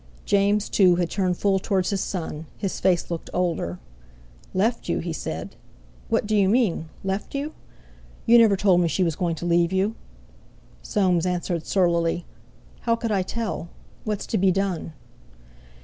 James, too, had turned full towards his son; his face looked older. "Left you?" he said. "What d'you mean—left you? You never told me she was going to leave you." Soames answered surlily: "How could I tell? What's to be done?"